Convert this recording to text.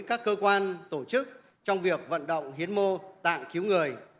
các cơ quan tổ chức trong việc vận động hiến mô tạng cứu người